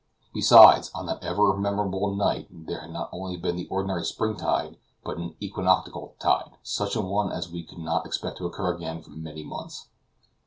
Besides, on that ever memorable night, there had not only been the ordinary spring tide, but an equinoctial tide, such a one as could not be expected to occur again for many months.